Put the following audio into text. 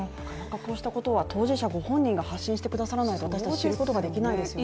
こうしたことは当事者ご本人が発信してくださらないと私たち、知ることはできないですよね。